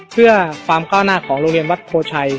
เพื่อความก้าวหน้าของโรงเรียนวัดโพชัย